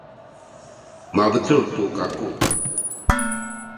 mabecul tu kaku.